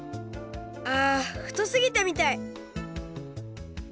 あふとすぎたみたい！